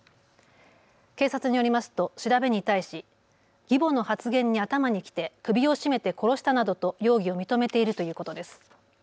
警察によりますと調べに対し義母の発言に頭にきて首を絞めて殺したなどと容疑を認めているということです。